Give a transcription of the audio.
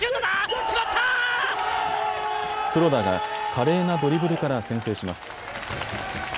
黒田が華麗なドリブルから先制します。